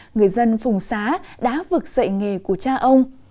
người dân phùng xá đã vực dậy nghề của cha ông